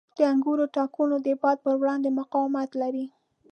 • د انګورو تاکونه د باد په وړاندې مقاومت لري.